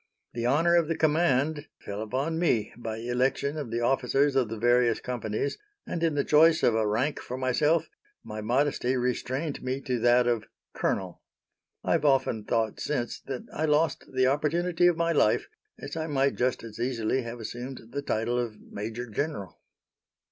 The honor of the command fell upon me by election of the officers of the various companies, and in the choice of a rank for myself my modesty restrained me to that of colonel. I have often thought since that I lost the opportunity of my life, as I might just as easily have assumed the title of major general.